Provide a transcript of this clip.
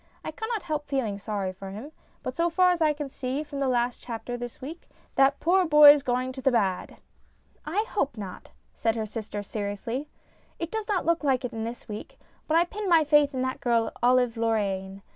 I cannot help feeling sorry for him, but so far as I can see from the last chapter this week, that poor boy's going to the bad." " I hope not," said her sister, seriously. " It does look like it this week, but I pin my faith in that girl, Olive Lorraine.